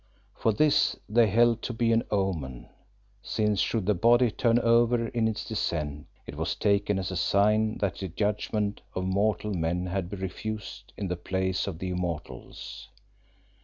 For this they held to be an omen, since should the body turn over in its descent it was taken as a sign that the judgment of mortal men had been refused in the Place of the Immortals.